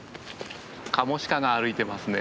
カモシカが歩いてますね。